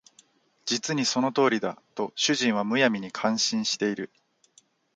実にその通りだ」と主人は無闇に感心している